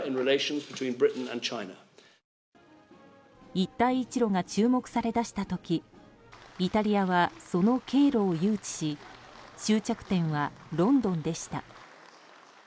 一帯一路が注目され出した時イタリアは、その経路を誘致し終着点はロンドンでした。